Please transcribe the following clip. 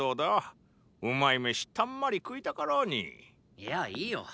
いやいいよ。